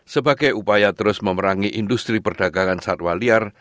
sebagai upaya terus memerangi industri perdagangan satwa liar